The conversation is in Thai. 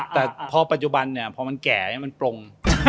แต่พอปัจจุบันเนี่ยพอมันแก่มันปลง